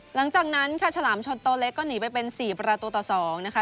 หลังจากนั้นค่ะฉลามชนโตเล็กก็หนีไปเป็น๔ประตูต่อ๒นะคะ